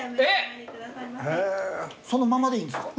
そのままでいいんですか？